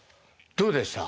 どうでした？